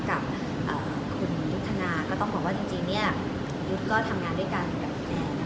กับคุณยุทธนาก็ต้องบอกจริงที่ผมทำงานด้วยกัน